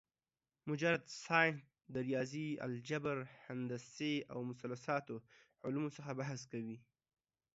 مجرد ساينس د رياضي ، الجبر ، هندسې او مثلثاتو علومو څخه بحث کوي